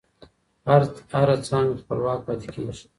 هر څانګه خپلواک پاتې کیږي.